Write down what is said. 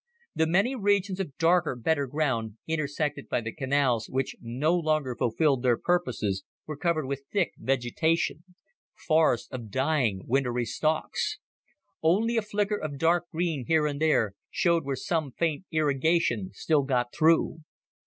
The many regions of darker, better ground, intersected by the canals which no longer fulfilled their purposes, were covered with thick vegetation forests of dying, wintery stalks. Only a flicker of dark green here and there showed where some faint irrigation still got through.